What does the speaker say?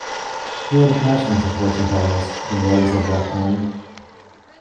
He had a passion for fortune-tellers and rogues of that kind.